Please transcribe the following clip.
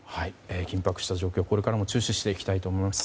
緊迫した状況、これからも注視していきたいと思います。